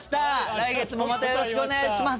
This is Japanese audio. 来月もまたよろしくお願いします！